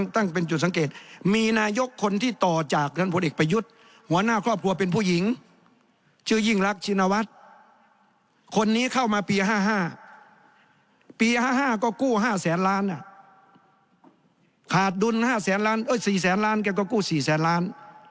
ต่อจากนั้นพ่อเด็กประยุทธ์หัวหน้าครอบครัวเป็นผู้หญิงชื่อยิ่งรักชินวัฒน์คนนี้เข้ามาปี๕๕ปี๕๕ก็กู้๕แสนล้านอ่ะขาดดุล๔แสนล้านแกก็กู้๔แสนล้าน